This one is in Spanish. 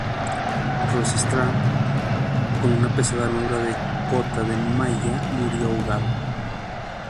Rostislav, con una pesada armadura de cota de malla, murió ahogado.